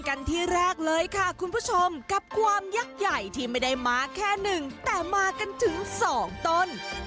กันที่แรกเลยค่ะคุณผู้ชมกับความยักษ์ใหญ่ที่ไม่ได้มาแค่หนึ่งแต่มากันถึงสองต้น